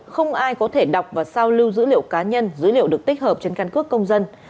không ai có thể đọc và sao lưu dữ liệu cá nhân dữ liệu được tích hợp trên căn cước công dân